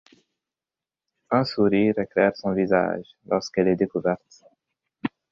Un sourire éclaire son visage lorsqu'elle est découverte.